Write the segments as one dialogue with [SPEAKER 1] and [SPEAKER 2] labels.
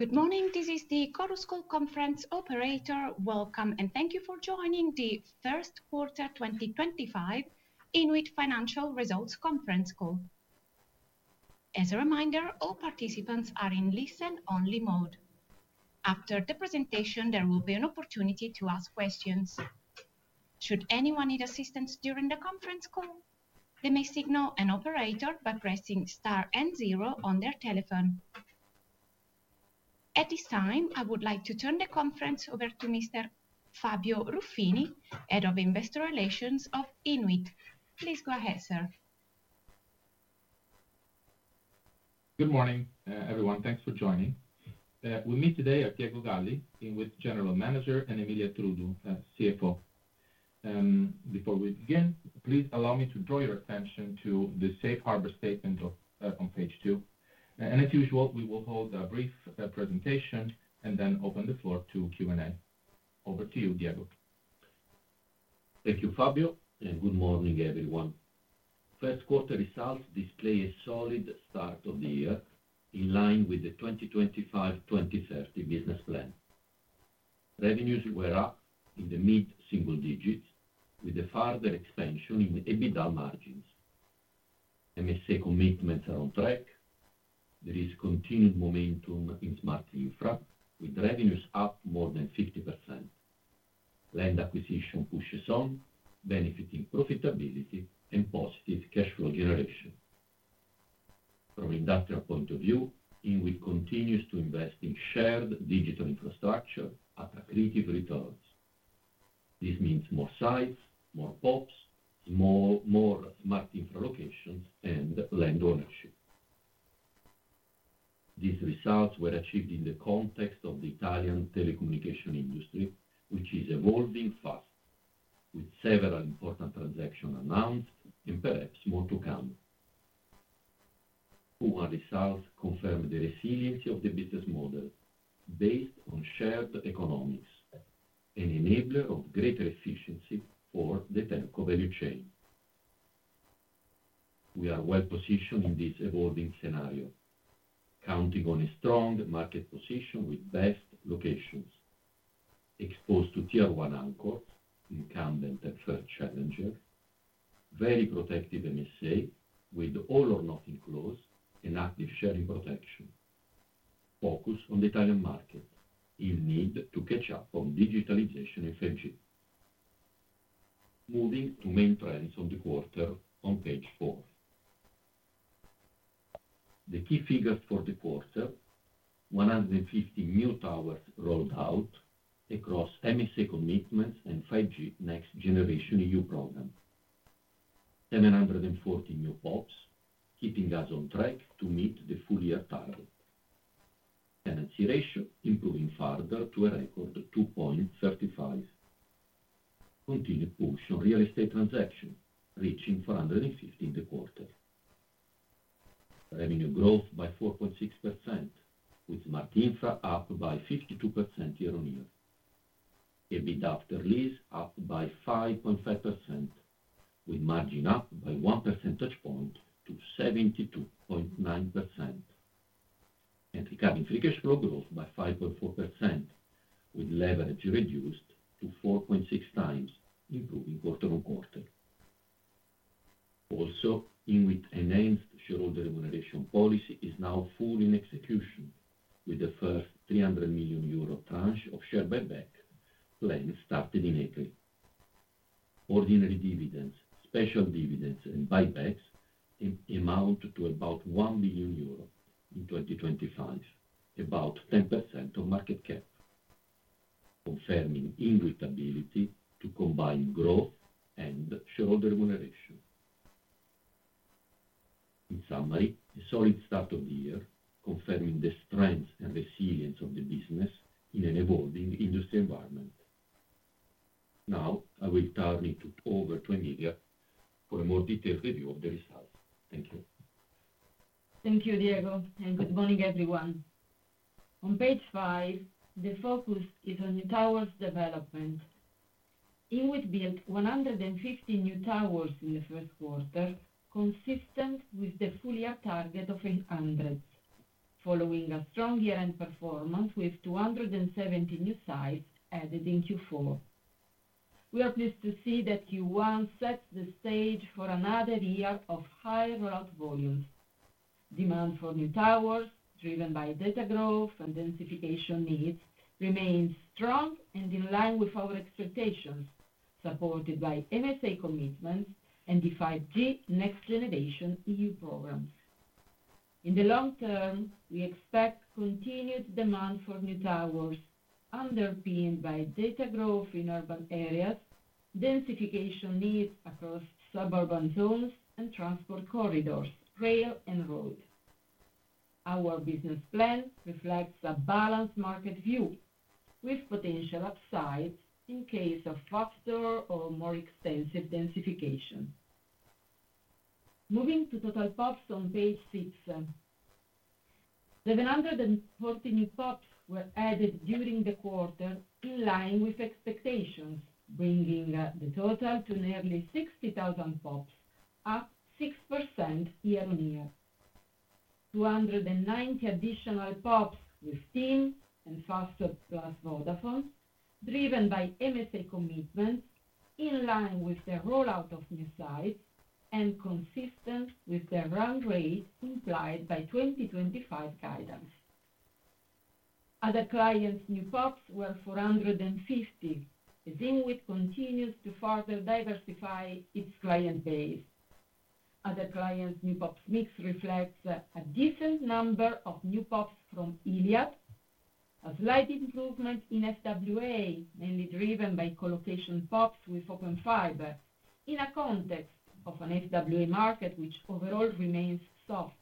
[SPEAKER 1] Good morning, this is the chorus call conference operator. Welcome and thank you for joining the first quarter 2025 INWIT financial results conference call. As a reminder, all participants are in listen-only mode. After the presentation, there will be an opportunity to ask questions. Should anyone need assistance during the conference call, they may signal an operator by pressing star and zero on their telephone. At this time, I would like to turn the conference over to Mr. Fabio Ruffini, Head of Investor Relations of INWIT. Please go ahead, sir.
[SPEAKER 2] Good morning, everyone. Thanks for joining. With me today are Diego Galli, INWIT General Manager, and Emilia Trudu, CFO. Before we begin, please allow me to draw your attention to the Safe Harbor statement on page two. As usual, we will hold a brief presentation and then open the floor to Q&A. Over to you, Diego.
[SPEAKER 3] Thank you, Fabio, and good morning, everyone. First quarter results display a solid start of the year in line with the 2025-2030 business plan. Revenues were up in the mid-single digits, with a further expansion in EBITDA margins. MSA commitments are on track. There is continued momentum in smart infra, with revenues up more than 50%. Land acquisition pushes on, benefiting profitability and positive cash flow generation. From an industrial point of view, INWIT continues to invest in shared digital infrastructure at accretive returns. This means more sites, more POPs, more smart infra locations, and land ownership. These results were achieved in the context of the Italian telecommunication industry, which is evolving fast, with several important transactions announced and perhaps more to come. Our results confirm the resiliency of the business model based on shared economics and enable greater efficiency for the telco value chain. We are well positioned in this evolving scenario, counting on a strong market position with best locations. Exposed to tier one anchors, incumbent and third challengers, very protective MSA with all-or-nothing clause and active sharing protection. Focus on the Italian market in need to catch up on digitalization and 5G. Moving to main trends of the quarter on page four. The key figures for the quarter: 150 new towers rolled out across MSA commitments and 5G Next Generation EU program. 740 new PoPs, keeping us on track to meet the full year target. Tenancy ratio improving further to a record 2.35. Continued push on real estate transactions, reaching 450 in the quarter. Revenue growth by 4.6%, with smart infra up by 52% year-on-year. EBIT after lease up by 5.5%, with margin up by one percentage point to 72.9%. Recurring free cash flow growth by 5.4%, with leverage reduced to 4.6x, improving quarter on quarter. Also, INWIT enhanced shareholder remuneration policy is now full in execution, with the first 300 million euro tranche of share buyback plan started in April. Ordinary dividends, special dividends, and buybacks amount to about 1 billion euro in 2025, about 10% of market cap, confirming INWIT ability to combine growth and shareholder remuneration. In summary, a solid start of the year, confirming the strength and resilience of the business in an evolving industry environment. Now, I will turn it over to Emilia for a more detailed review of the results. Thank you.
[SPEAKER 4] Thank you, Diego, and good morning, everyone. On page five, the focus is on new towers development. INWIT built 150 new towers in the first quarter, consistent with the full year target of 800, following a strong year-end performance with 270 new sites added in Q4. We are pleased to see that Q1 sets the stage for another year of high route volumes. Demand for new towers, driven by data growth and densification needs, remains strong and in line with our expectations, supported by MSA commitments and the 5G Next Generation EU program. In the long term, we expect continued demand for new towers, underpinned by data growth in urban areas, densification needs across suburban zones, and transport corridors, rail and road. Our business plan reflects a balanced market view, with potential upsides in case of faster or more extensive densification. Moving to total PoPs on page six. The 140 new PoPs were added during the quarter, in line with expectations, bringing the total to nearly 60,000 PoPs, up 6% year on year. 290 additional PoPs with TIM and Vodafone, driven by MSA commitments, in line with the rollout of new sites and consistent with the run rate implied by 2025 guidance. Other clients' new PoPs were 450, as INWIT continues to further diversify its client base. Other clients' new PoPs mix reflects a decent number of new PoPs from iliad, a slight improvement in SWA, mainly driven by colocation PoPs with Open Fiber in a context of an FWA market, which overall remains soft.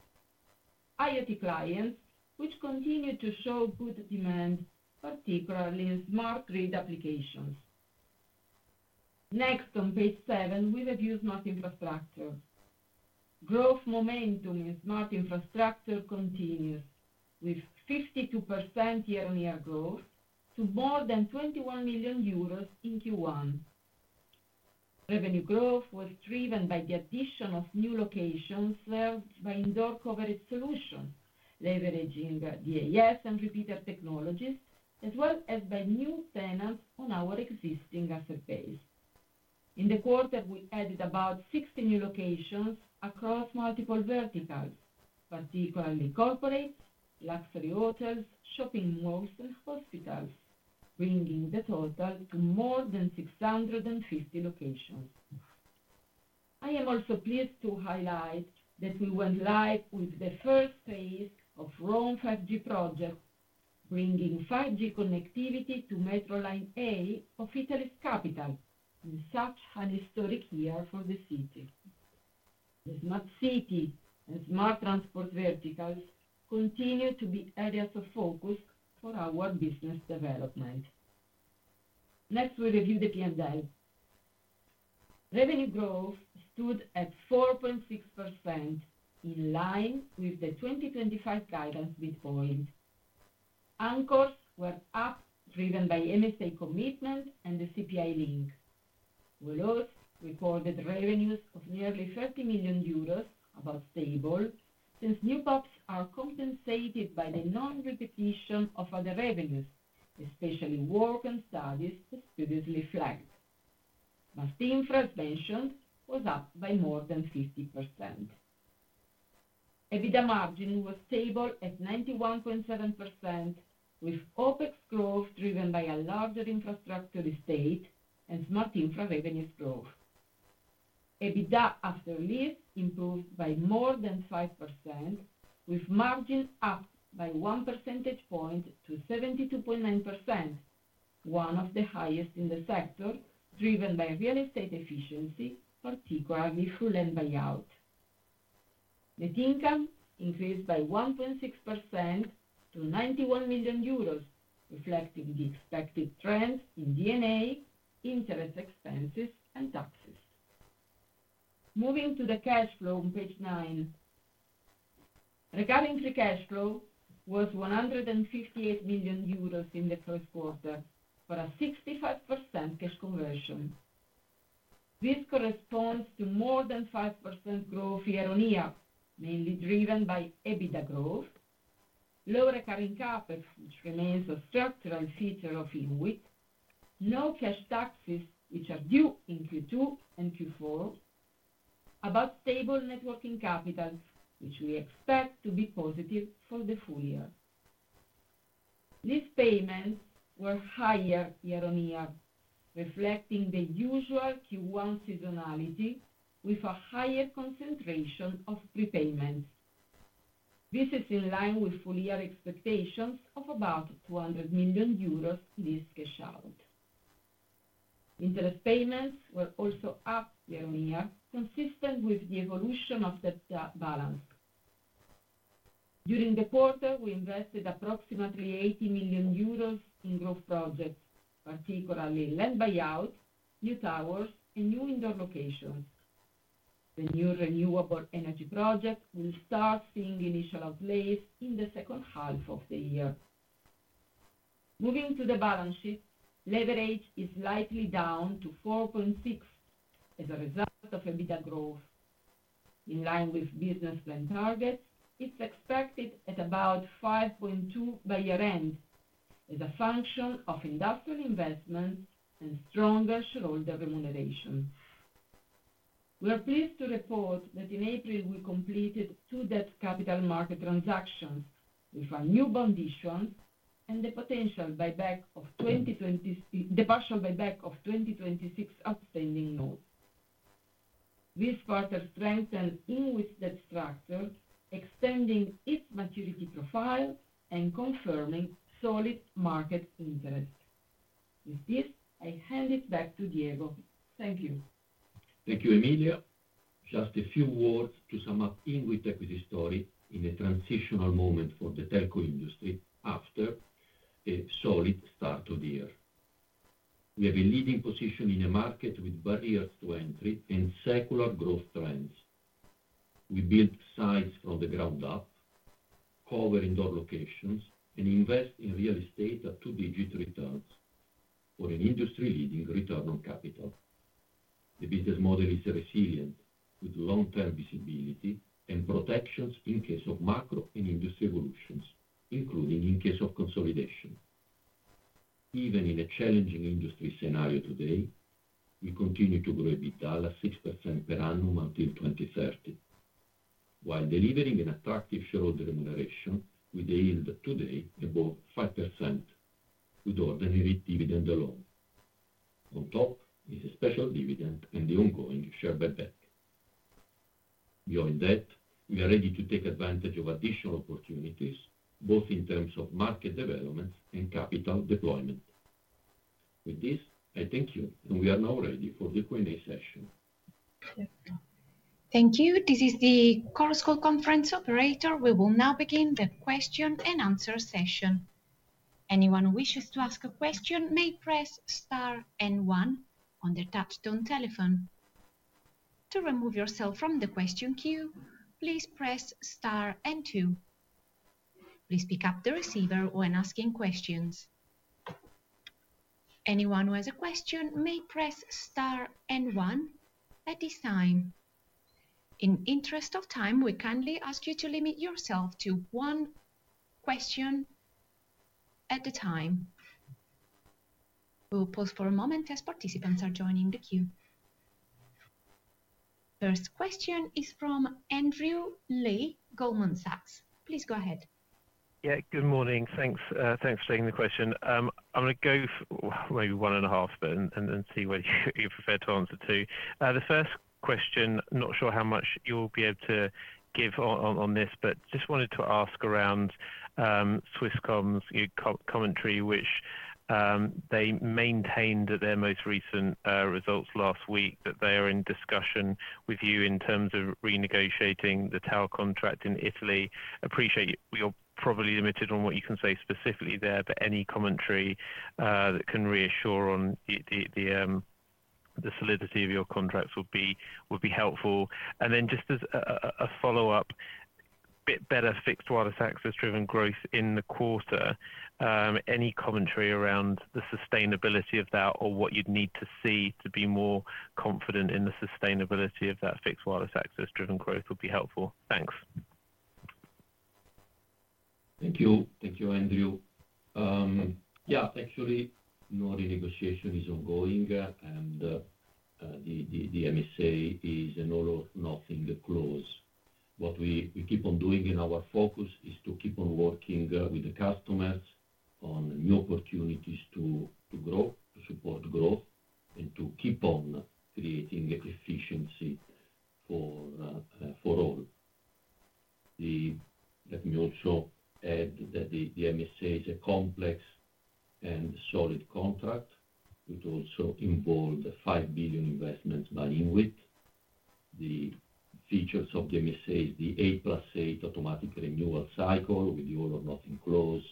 [SPEAKER 4] IoT clients, which continue to show good demand, particularly in smart grid applications. Next, on page seven, we review smart infrastructure. Growth momentum in smart infrastructure continues, with 52% year-on-year growth to more than 21 million euros in Q1. Revenue growth was driven by the addition of new locations served by indoor coverage solutions, leveraging DAS and repeater technologies, as well as by new tenants on our existing asset base. In the quarter, we added about 60 new locations across multiple verticals, particularly corporates, luxury hotels, shopping malls, and hospitals, bringing the total to more than 650 locations. I am also pleased to highlight that we went live with the first phase of Rome 5G project, bringing 5G connectivity to Metro Line A of Italy's capital, in such a historic year for the city. The smart city and smart transport verticals continue to be areas of focus for our business development. Next, we review the P&L. Revenue growth stood at 4.6%, in line with the 2025 guidance we've coined. Anchors were up, driven by MSA commitment and the CPI link. We recorded revenues of nearly 30 million euros, about stable, since new PoPs are compensated by the non-repetition of other revenues, especially work and studies previously flagged. Last infra as mentioned was up by more than 50%. EBITDA margin was stable at 91.7%, with OpEx growth driven by a larger infrastructure estate and smart infra revenues growth. EBITDA after lease improved by more than 5%, with margin up by one percentage point to 72.9%, one of the highest in the sector, driven by real estate efficiency, particularly through land buyout. Net income increased by 1.6% to 91 million euros, reflecting the expected trends in D&A, interest expenses, and taxes. Moving to the cash flow on page nine. Recurring free cash flow was 158 million euros in the first quarter, for a 65% cash conversion. This corresponds to more than 5% growth year-on-year, mainly driven by EBITDA growth, low recurring CapEx, which remains a structural feature of INWIT, no cash taxes, which are due in Q2 and Q4, about stable networking capital, which we expect to be positive for the full year. These payments were higher year-on-year, reflecting the usual Q1 seasonality, with a higher concentration of prepayments. This is in line with full year expectations of about 200 million euros in this cash out. Interest payments were also up year-on-year, consistent with the evolution of the balance. During the quarter, we invested approximately 80 million euros in growth projects, particularly land buyout, new towers, and new indoor locations. The new renewable energy project will start seeing initial outlays in the second half of the year. Moving to the balance sheet, leverage is likely down to 4.6% as a result of EBITDA growth. In line with business plan targets, it is expected at about 5.2% by year-end, as a function of industrial investments and stronger shareholder remuneration. We are pleased to report that in April, we completed two debt capital market transactions with our new bond issuances and the potential buyback of 2026 outstanding notes. This quarter strengthened INWIT's debt structure, extending its maturity profile and confirming solid market interest. With this, I hand it back to Diego. Thank you.
[SPEAKER 3] Thank you, Emilia. Just a few words to sum up INWIT equity story in a transitional moment for the telco industry after a solid start of the year. We have a leading position in a market with barriers to entry and secular growth trends. We build sites from the ground up, cover indoor locations, and invest in real estate at two-digit returns for an industry-leading return on capital. The business model is resilient, with long-term visibility and protections in case of macro and industry evolutions, including in case of consolidation. Even in a challenging industry scenario today, we continue to grow EBITDA at 6% per annum until 2030, while delivering an attractive shareholder remuneration with a yield today above 5%, with ordinary dividend alone. On top is a special dividend and the ongoing share buyback. Beyond that, we are ready to take advantage of additional opportunities, both in terms of market developments and capital deployment. With this, I thank you, and we are now ready for the Q&A session.
[SPEAKER 1] Thank you. This is the chorus call conference operator. We will now begin the question and answer session. Anyone who wishes to ask a question may press star and one on the touch-tone telephone. To remove yourself from the question queue, please press star and two. Please pick up the receiver when asking questions. Anyone who has a question may press star and one at this time. In the interest of time, we kindly ask you to limit yourself to one question at a time. We'll pause for a moment as participants are joining the queue. First question is from Andrew Lee, Goldman Sachs. Please go ahead.
[SPEAKER 5] Yeah, good morning. Thanks for taking the question. I'm going to go maybe one and a half, but then see whether you're prepared to answer two. The first question, not sure how much you'll be able to give on this, but just wanted to ask around Swisscom's commentary, which they maintained at their most recent results last week, that they are in discussion with you in terms of renegotiating the TAO contract in Italy. Appreciate you're probably limited on what you can say specifically there, but any commentary that can reassure on the solidity of your contracts would be helpful. Just as a follow-up, a bit better fixed wireless access-driven growth in the quarter. Any commentary around the sustainability of that or what you'd need to see to be more confident in the sustainability of that fixed wireless access-driven growth would be helpful. Thanks.
[SPEAKER 3] Thank you, Andrew. Yeah, actually, no renegotiation is ongoing, and the MSA is an all-or-nothing clause. What we keep on doing in our focus is to keep on working with the customers on new opportunities to grow, to support growth, and to keep on creating efficiency for all. Let me also add that the MSA is a complex and solid contract. It also involved 5 billion investments by INWIT. The features of the MSA is the A plus A automatic renewal cycle with the all-or-nothing clause,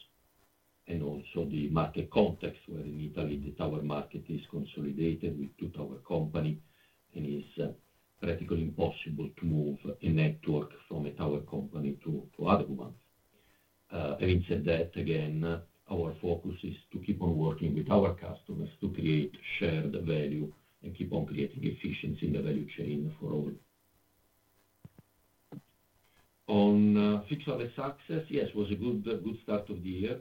[SPEAKER 3] and also the market context where in Italy the tower market is consolidated with two tower companies, and it's practically impossible to move a network from a tower company to other ones. Having said that, again, our focus is to keep on working with our customers to create shared value and keep on creating efficiency in the value chain for all. On fixed wireless access, yes, it was a good start of the year.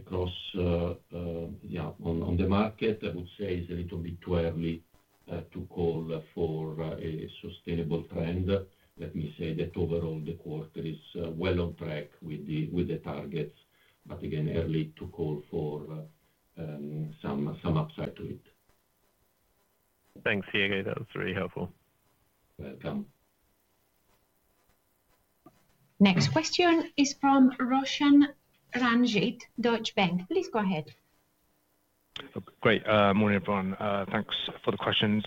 [SPEAKER 3] Across the market, I would say it's a little bit too early to call for a sustainable trend. Let me say that overall the quarter is well on track with the targets, but again, early to call for some upside to it.
[SPEAKER 5] Thanks, Diego. That was really helpful.
[SPEAKER 3] Welcome.
[SPEAKER 1] Next question is from Roshan Ranjit, Deutsche Bank. Please go ahead.
[SPEAKER 6] Great. Morning, everyone. Thanks for the questions.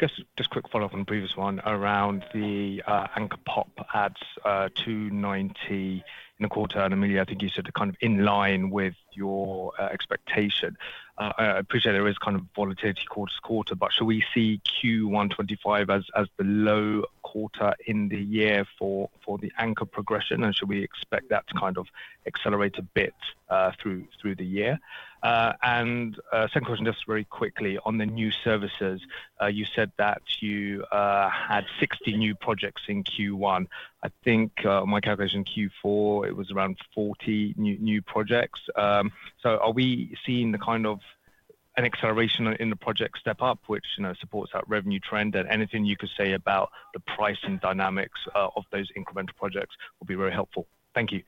[SPEAKER 6] Just a quick follow-up on the previous one around the anchor PoP adds, 290 in the quarter. Emilia, I think you said it kind of in line with your expectation. I appreciate there is kind of volatility quarter to quarter, but should we see Q1 2025 as the low quarter in the year for the anchor progression, and should we expect that to kind of accelerate a bit through the year? Second question, just very quickly, on the new services, you said that you had 60 new projects in Q1. I think my calculation in Q4, it was around 40 new projects. Are we seeing the kind of an acceleration in the project step up, which supports that revenue trend? Anything you could say about the pricing dynamics of those incremental projects would be very helpful. Thank you.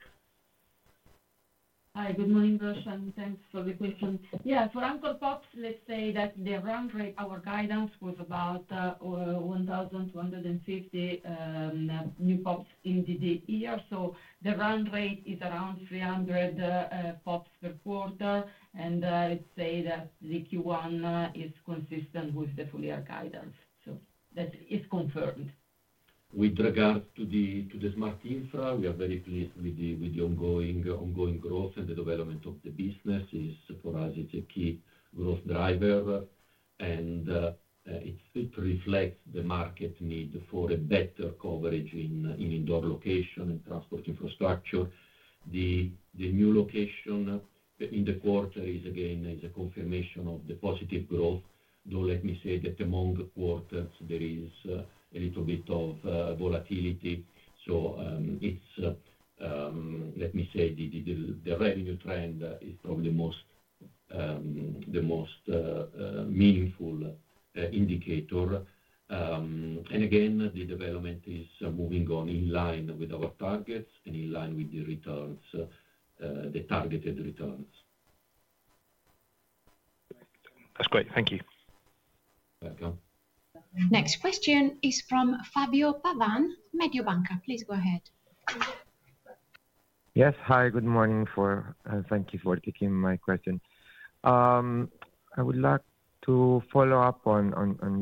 [SPEAKER 4] Hi, good morning, Roshan. Thanks for the question. Yeah, for anchor PoPs, let's say that the run rate, our guidance was about 1,250 new PoPs in the year. The run rate is around 300 PoPs per quarter, and I'd say that the Q1 is consistent with the full year guidance. That is confirmed.
[SPEAKER 3] With regard to the smart infra, we are very pleased with the ongoing growth and the development of the business. For us, it's a key growth driver, and it reflects the market need for a better coverage in indoor location and transport infrastructure. The new location in the quarter is, again, a confirmation of the positive growth. Though let me say that among quarters, there is a little bit of volatility. Let me say the revenue trend is probably the most meaningful indicator. Again, the development is moving on in line with our targets and in line with the returns, the targeted returns.
[SPEAKER 6] That's great. Thank you.
[SPEAKER 3] Welcome.
[SPEAKER 1] Next question is from Fabio Pavan, Mediobanca. Please go ahead.
[SPEAKER 7] Yes, hi, good morning. Thank you for taking my question. I would like to follow up on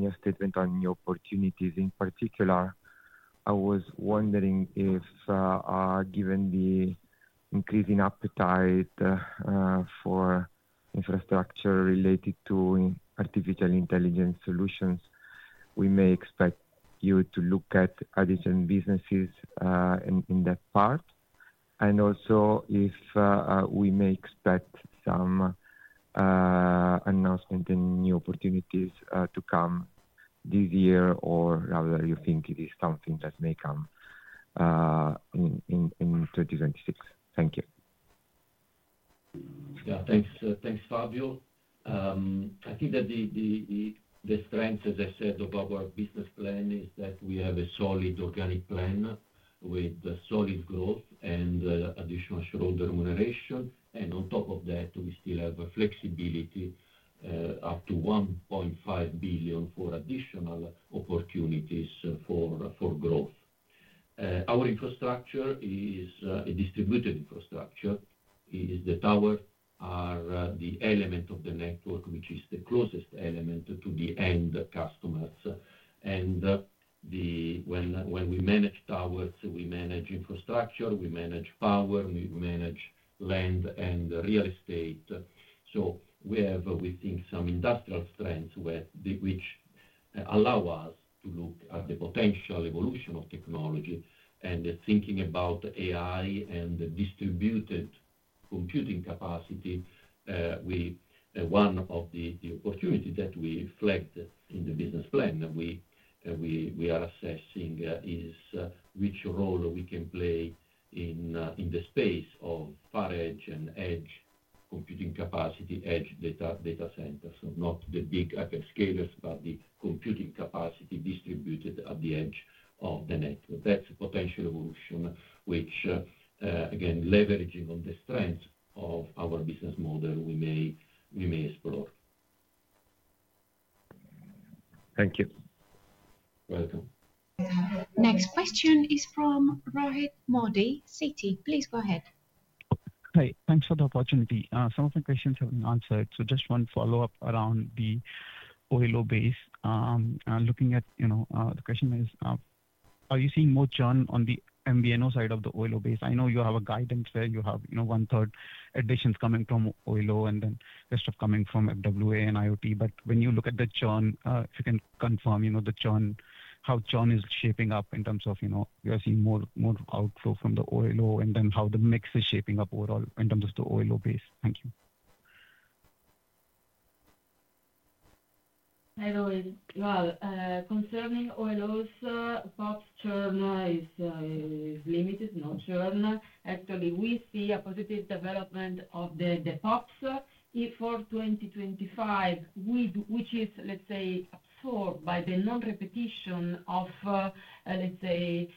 [SPEAKER 7] your statement on new opportunities. In particular, I was wondering if, given the increasing appetite for infrastructure related to artificial intelligence solutions, we may expect you to look at additional businesses in that part, and also if we may expect some announcements and new opportunities to come this year, or rather you think it is something that may come in 2026. Thank you.
[SPEAKER 3] Yeah, thanks, Fabio. I think that the strength, as I said, of our business plan is that we have a solid organic plan with solid growth and additional shareholder remuneration. On top of that, we still have flexibility up to 1.5 billion for additional opportunities for growth. Our infrastructure is a distributed infrastructure. The towers are the element of the network, which is the closest element to the end customers. When we manage towers, we manage infrastructure, we manage power, we manage land and real estate. We have, we think, some industrial strengths which allow us to look at the potential evolution of technology. Thinking about AI and distributed computing capacity, one of the opportunities that we flagged in the business plan that we are assessing is which role we can play in the space of far edge and edge computing capacity, edge data centers. Not the big upscalers, but the computing capacity distributed at the edge of the network. That is a potential evolution which, again, leveraging on the strengths of our business model, we may explore.
[SPEAKER 7] Thank you.
[SPEAKER 3] Welcome.
[SPEAKER 1] Next question is from Rohit Modi, Citi. Please go ahead.
[SPEAKER 8] Hi, thanks for the opportunity. Some of my questions have been answered. Just one follow-up around the OLObase. Looking at the question is, are you seeing more churn on the MVNO side of the OLObase? I know you have a guidance where you have 1/3 additions coming from OLO, and then the rest are coming from FWA and IoT. When you look at the churn, if you can confirm how churn is shaping up in terms of you are seeing more outflow from the OLO, and then how the mix is shaping up overall in terms of the OLObase. Thank you.
[SPEAKER 4] Hello, No. Concerning OLOs, PoPs churn is limited, no churn. Actually, we see a positive development of the PoPs for 2025, which is, let's say, absorbed by the non-repetition of, let's say,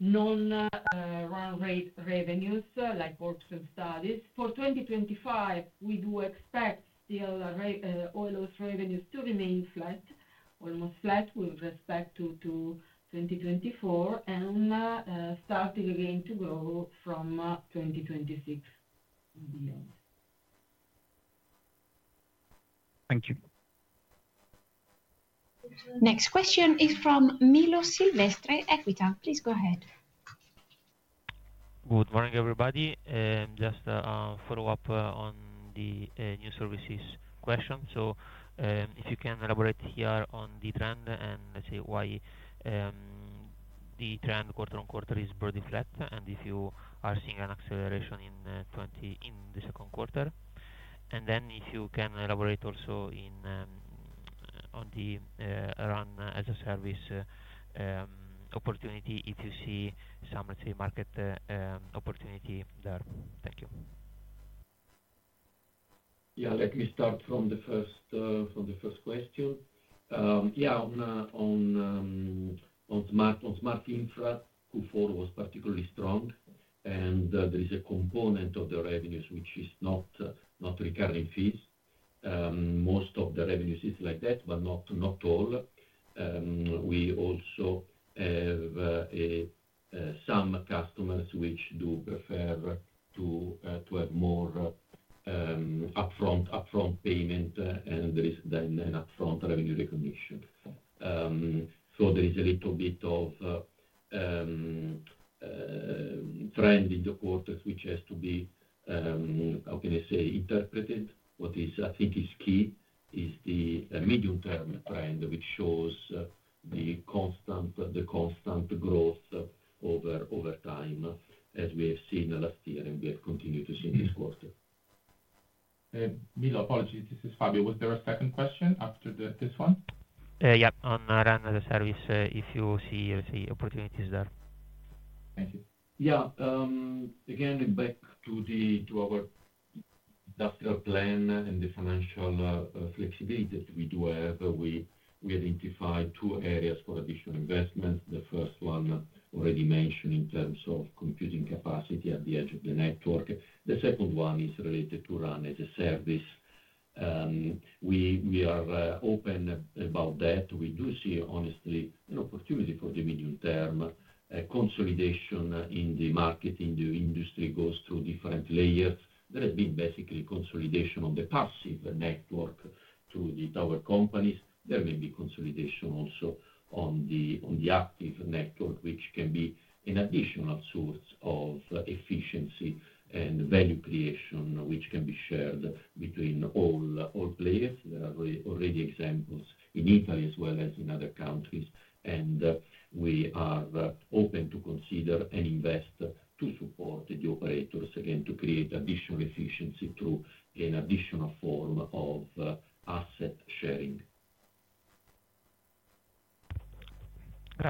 [SPEAKER 4] non-run rate revenues like works and studies. For 2025, we do expect still OLOsrevenues to remain flat, almost flat with respect to 2024, and starting again to grow from 2026 and beyond.
[SPEAKER 8] Thank you.
[SPEAKER 1] Next question is from Milo Silvestre, Equita. Please go ahead.
[SPEAKER 9] Good morning, everybody. Just a follow-up on the new services question. If you can elaborate here on the trend and say why the trend quarter on quarter is broadly flat, and if you are seeing an acceleration in the second quarter. If you can elaborate also on the RAN as a Service opportunity, if you see some, let's say, market opportunity there. Thank you.
[SPEAKER 3] Yeah, let me start from the first question. Yeah, on smart infra, Q4 was particularly strong, and there is a component of the revenues which is not recurring fees. Most of the revenues is like that, but not all. We also have some customers which do prefer to have more upfront payment, and there is then an upfront revenue recognition. So there is a little bit of trend in the quarters, which has to be, how can I say, interpreted. What I think is key is the medium-term trend, which shows the constant growth over time, as we have seen last year and we have continued to see this quarter.
[SPEAKER 2] Milo, apologies, this is Fabio. Was there a second question after this one?
[SPEAKER 9] Yeah, on RAN as a Service, if you see opportunities there. Thank you.
[SPEAKER 3] Yeah, again, back to our industrial plan and the financial flexibility that we do have, we identify two areas for additional investments. The first one, already mentioned in terms of computing capacity at the edge of the network. The second one is related to RAN as a Service. We are open about that. We do see, honestly, an opportunity for the medium-term consolidation in the market. The industry goes through different layers. There has been basically consolidation on the passive network through the tower companies. There may be consolidation also on the active network, which can be an additional source of efficiency and value creation, which can be shared between all players. There are already examples in Italy as well as in other countries, and we are open to consider and invest to support the operators, again, to create additional efficiency through an additional form of asset sharing.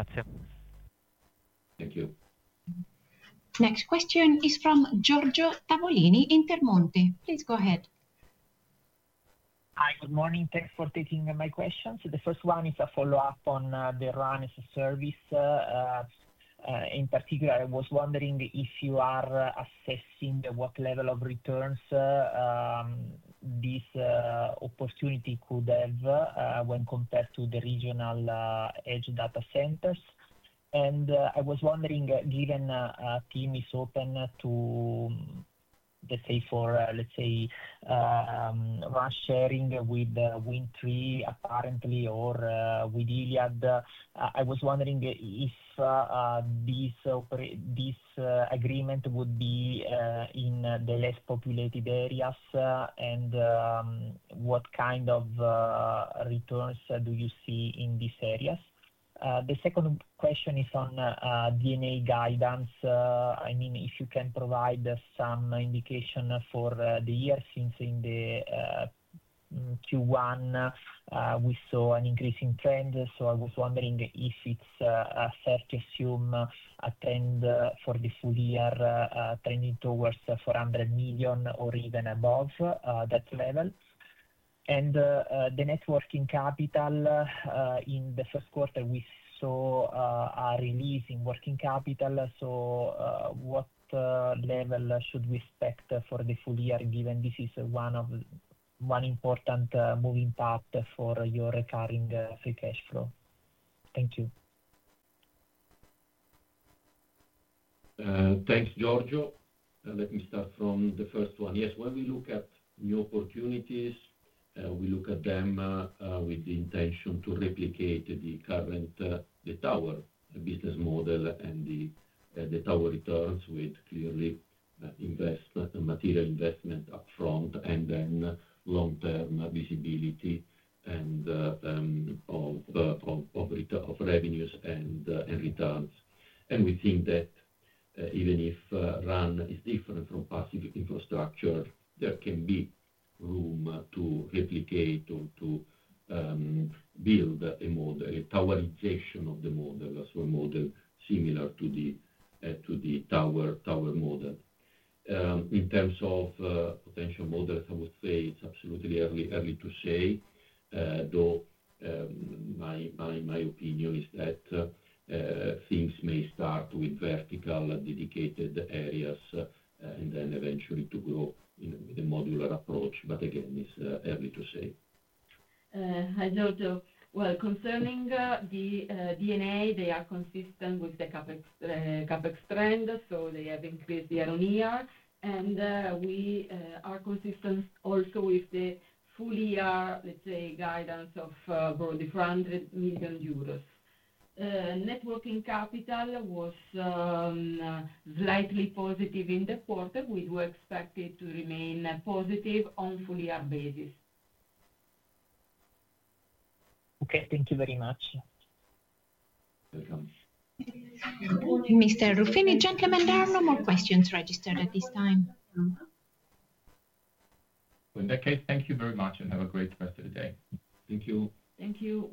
[SPEAKER 9] Grazie.
[SPEAKER 3] Thank you.
[SPEAKER 1] Next question is from Giorgio Tavolini, Intermonte. Please go ahead.
[SPEAKER 10] Hi, good morning. Thanks for taking my questions. The first one is a follow-up on the RAN as a Service. In particular, I was wondering if you are assessing what level of returns this opportunity could have when compared to the regional edge data centers. I was wondering, given TIM is open to, let's say, for, let's say, RAN sharing with Win3, apparently, or with iliad, I was wondering if this agreement would be in the less populated areas and what kind of returns do you see in these areas? The second question is on D&A guidance. I mean, if you can provide some indication for the year since in Q1, we saw an increasing trend. I was wondering if it's fair to assume a trend for the full year trending towards 400 million or even above that level. The net working capital in the first quarter, we saw a release in working capital. What level should we expect for the full year, given this is one important moving part for your recurring free cash flow? Thank you.
[SPEAKER 3] Thanks, Giorgio. Let me start from the first one. Yes, when we look at new opportunities, we look at them with the intention to replicate the current tower business model and the tower returns with clearly material investment upfront and then long-term visibility of revenues and returns. We think that even if RAN is different from passive infrastructure, there can be room to replicate or to build a towerization of the model, so a model similar to the tower model. In terms of potential models, I would say it's absolutely early to say. Though my opinion is that things may start with vertical dedicated areas and then eventually to grow with a modular approach, but again, it's early to say.
[SPEAKER 4] Hi, Giorgio. Concerning the D&A, they are consistent with the CapEx trend, so they have increased year-on-year. We are consistent also with the full year, let's say, guidance of broadly 400 million euros. Net working capital was slightly positive in the quarter. We do expect it to remain positive on a full year basis.
[SPEAKER 10] Okay, thank you very much.
[SPEAKER 1] Mr. Ruffini. Gentlemen, there are no more questions registered at this time.
[SPEAKER 2] In that case, thank you very much and have a great rest of the day.
[SPEAKER 3] Thank you.
[SPEAKER 4] Thank you.